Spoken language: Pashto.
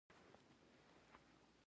🐜 غلبوزه